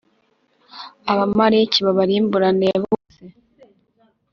Abamaleki babarimburane bose.